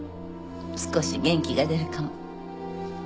少し元気が出るかも。